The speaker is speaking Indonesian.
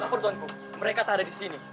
lapor tuan ku mereka tak ada di sini